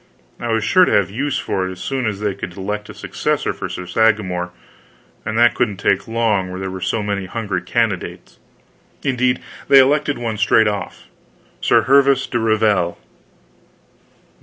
I was sure to have use for it as soon as they could elect a successor for Sir Sagramor, and that couldn't take long where there were so many hungry candidates. Indeed, they elected one straight off Sir Hervis de Revel.